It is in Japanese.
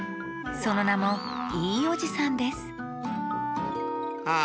そのなも「いいおじさん」ですあ